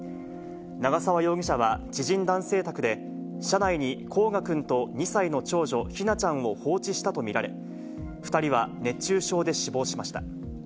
長沢容疑者は知人男性宅で、車内に煌翔くんと２歳の長女、姫梛ちゃんを放置したと見られ、２人は熱中症で死亡しました。